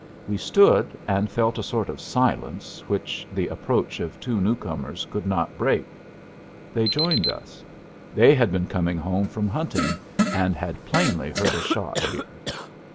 We stood, and felt a sort of silence which the approach of two new comers could not break. They joined us. They had been coming home from hunting, and had plainly heard a shot here.